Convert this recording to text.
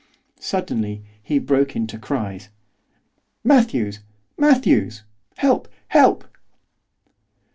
Suddenly he broke into cries. 'Matthews! Matthews! Help! help!